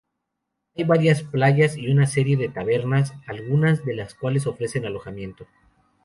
Hay varias playas y una serie de tabernas, algunas de las cuales ofrecen alojamiento.